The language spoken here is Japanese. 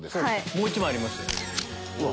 もう１枚あります。